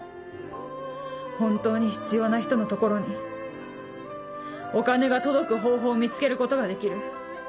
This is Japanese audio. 本当に必要な人の所にお金が届く方法を見つけることができる。